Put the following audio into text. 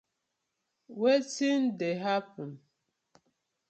Wetin dey happen?